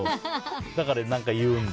だから何か言う。